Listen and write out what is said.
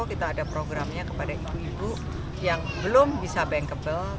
kita ada programnya kepada ibu ibu yang belum bisa bankable